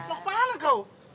pokok kepala kau